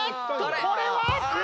これは。